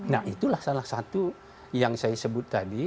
nah itulah salah satu yang saya sebut tadi